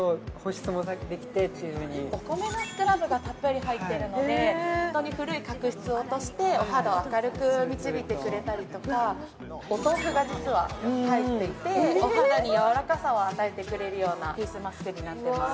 お米のスクラブがたっぷり入ってるので古い角質を落としてお肌を明るく導いてくれたりとかお豆腐が実は入っていてお肌に柔らかさを与えてくれるようなフェイスマスクになっています